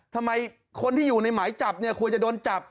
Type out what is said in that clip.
ทำไมคนที่อยู่ในหมายจับเนี่ยควรจะโดนจับ